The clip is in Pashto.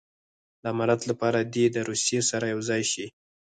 د امارت لپاره دې د روسیې سره یو ځای شي.